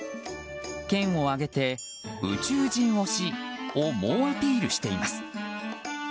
県を挙げて宇宙人推しを猛アピールしています。